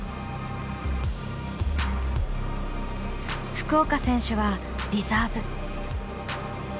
福岡選手はリザーブ。